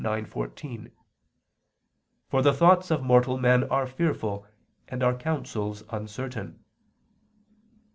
9:14: "For the thoughts of mortal men are fearful and our counsels uncertain."